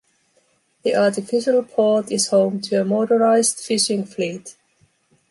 The artificial port is home to a motorized fishing fleet.